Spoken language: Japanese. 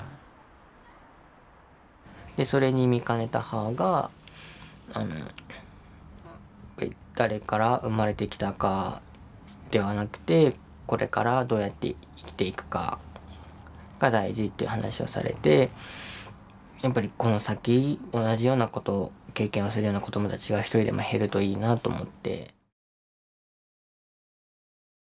それに見かねた母があの誰から生まれてきたかではなくてこれからどうやって生きていくかが大事っていう話をされてやっぱりこの先同じようなことを経験をするような子どもたちが一人でも減るといいなと思って。